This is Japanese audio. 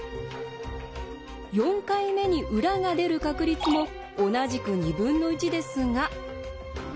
４回目に裏が出る確率も同じく２分の１ですが。